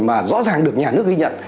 mà rõ ràng được nhà nước ghi nhận